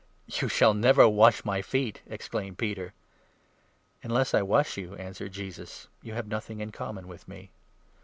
" You shall never wash my feet !" exclaimed Peter. 8 "Unless I wash you," answered Jesus, "you have nothing in common with me."